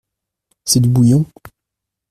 C’est du bouillon.